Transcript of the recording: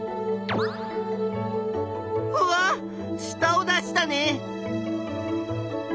うわっしたを出したね！